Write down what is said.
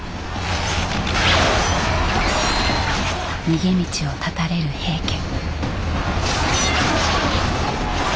逃げ道を断たれる平家。